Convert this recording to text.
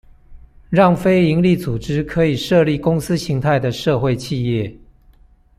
讓非營利組織可以設立公司型態的社會企業